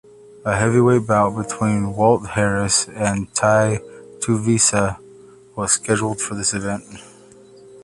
A heavyweight bout between Walt Harris and Tai Tuivasa was scheduled for this event.